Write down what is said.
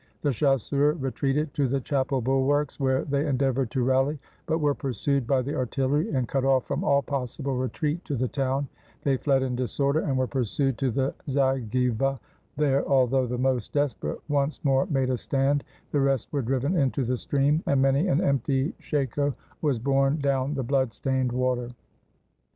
The chasseurs retreated to the chapel bulwarks, where they endeavored to rally, but were pursued by the artillery, and, cut off from all possible retreat to the town, they fled in disorder, and were pursued to the Zagyva; there, although the most desperate once more made a stand, the rest were driven into the stream, and many an empty shako was borne down the blood stained water.